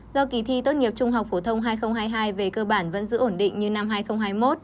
do kỳ thi tốt nghiệp trung học phổ thông hai nghìn hai mươi hai về cơ bản vẫn giữ ổn định như năm hai nghìn hai mươi một